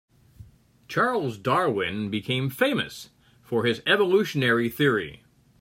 Charles Darwin became famous for his evolutionary theory.